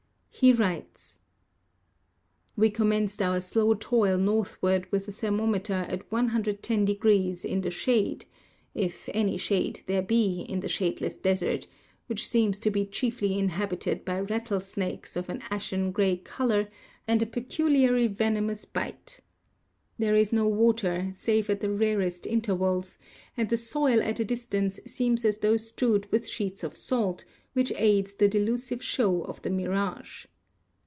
He writes: "We commenced our slow toil northward with a thermometer at no° in the shade, if any shade there be in the shadeless desert, which seems to be chiefly inhabited by rattlesnakes of an ashen gray color and a peculiarly venomous bite. There is no water, save at the rarest in tervals, and the soil at a distance seems as tho strewed with sheets of salt, which aids the delusive show of the mirage.